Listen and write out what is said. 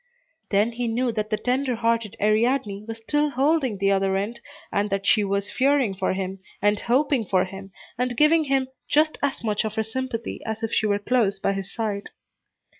Then he knew that the tender hearted Ariadne was still holding the other end, and that she was fearing for him, and hoping for him, and giving him just as much of her sympathy as if she were close by his side.